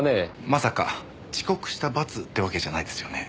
まさか遅刻した罰ってわけじゃないですよね？